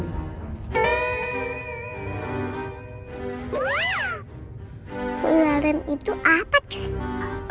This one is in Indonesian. ileran itu apa cus